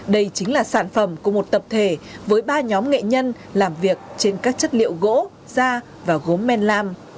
đây chính là một bức thư của chủ tịch hồ chí minh